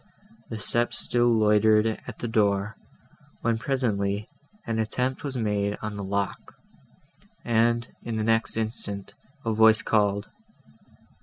The steps still loitered at the door, when presently an attempt was made on the lock, and, in the next instant, a voice called.